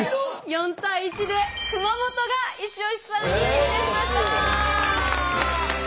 ４対１で熊本がイチオシツアーに決定しました！